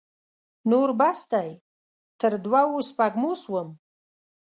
نور بس دی؛ تر دوو سپږمو سوم.